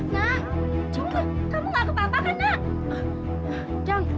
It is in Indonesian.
nak kamu gak kebapakan nak